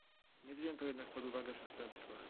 Nie wzięto jednak pod uwagę przestępstwa